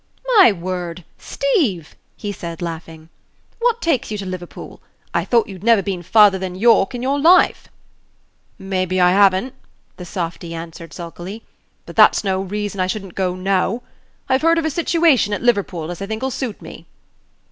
"My word! Steeve," he said, laughing, "what takes you to Liverpool? I thought you'd never been farther than York in your life." "Maybe I have n't," the softy answered, sulkily; "but that's no reason I should n't go now. I've heard of a situation at Liverpool as I think'll suit me."